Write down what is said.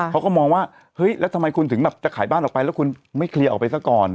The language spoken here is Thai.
เขาก็มองว่าเฮ้ยแล้วทำไมคุณถึงแบบจะขายบ้านออกไปแล้วคุณไม่เคลียร์ออกไปซะก่อน